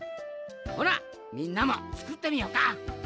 ほなみんなもつくってみよか！